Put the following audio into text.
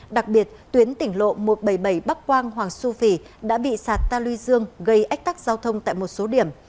đặc biệt tuyến tỉnh lộ một trăm bảy mươi bảy bắc quang hoàng su phi đã bị sạt ta lưu dương gây ách tắc giao thông tại một số điểm